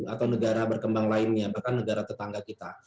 atau negara berkembang lainnya bahkan negara tetangga kita